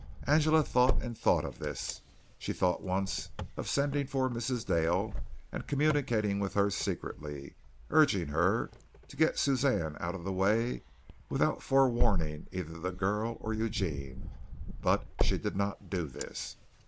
Angela thought and thought of this. She thought once of sending for Mrs. Dale and communicating with her secretly, urging her to get Suzanne out of the way without forewarning either the girl or Eugene, but she did not do this.